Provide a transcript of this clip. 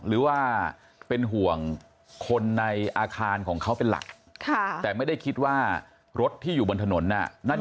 หรือว่าเป็นห่วงคนในอาคารของเขาเป็นหลักแต่ไม่ได้คิดว่ารถที่อยู่บนถนนน่ะนั่น